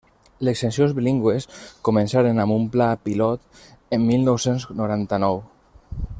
Les Seccions Bilingües començaren amb un pla pilot en mil nou-cents noranta-nou.